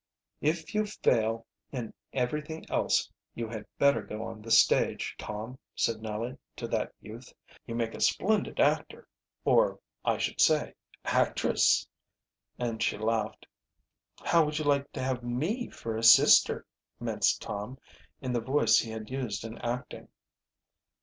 "If you fail in everything else, you had better go on the stage, Tom," said Nellie to that youth. "You make a splendid actor or I should say actress," and she laughed. "How would you like to have me for a sister?" minced Tom, in the voice he had used in acting.